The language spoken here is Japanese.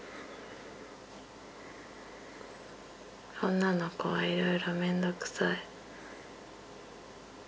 女の子はいろいろ面倒くさい。